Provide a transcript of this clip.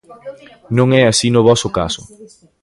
Non é así no voso caso.